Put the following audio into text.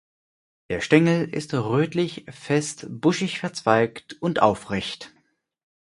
Der Stängel ist rötlich, fest, buschig verzweigt und aufrecht.